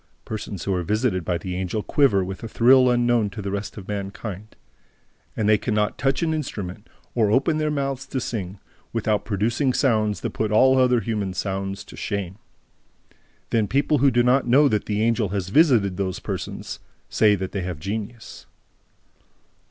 Persons who are visited by the Angel quiver with a thrill unknown to the rest of mankind. And they can not touch an instrument, or open their mouths to sing, without producing sounds that put all other human sounds to shame. Then people who do not know that the Angel has visited those persons say that they have genius.